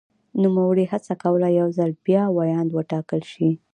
نوموړي هڅه کوله یو ځل بیا ویاند وټاکل شي.